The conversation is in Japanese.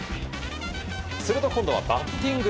すると今度はバッティング。